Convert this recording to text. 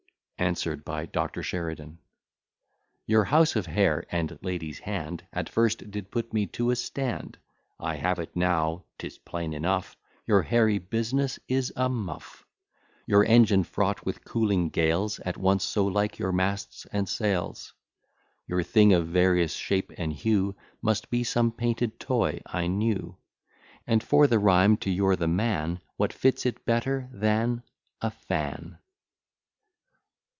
ANSWERED BY DR. SHERIDAN Your house of hair, and lady's hand, At first did put me to a stand. I have it now 'tis plain enough Your hairy business is a muff. Your engine fraught with cooling gales, At once so like your masts and sails; Your thing of various shape and hue Must be some painted toy, I knew; And for the rhyme to you're the man, What fits it better than a fan?